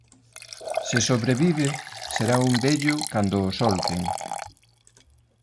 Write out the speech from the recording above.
Se sobrevive, será un vello cando o solten.